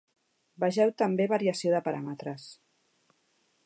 Vegeu també variació de paràmetres.